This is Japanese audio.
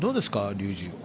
竜二。